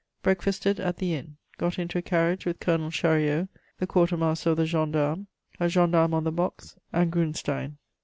Breakfasted at the inn. Got into a carriage with Colonel Chariot, the quarter master of the gendarmes, a gendarme on the box and Grunstein.